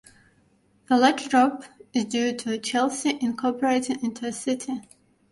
The large drop is due to Chelsea incorporating into a city.